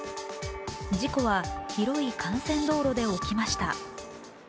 事故は広い幹線道路で起きました。